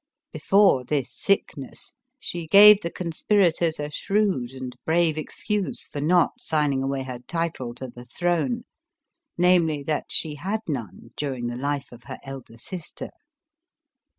Be fore this sickness, she gave the conspirators a shrew^ and brave excuse for not signing away her title to tlje throne, namely, that she had none during the life of her elder sister.